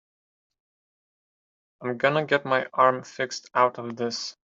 I'm gonna get my arm fixed out of this.